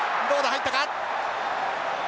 入ったか？